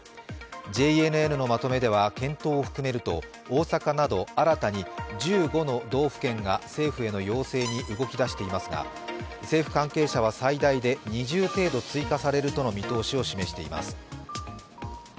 ＪＮＮのまとめでは、検討を含めると大阪など新たに１５の道府県が政府への要請に動きだしていますが政府関係者は最大で２０程度追加されるとの見通しを示しています。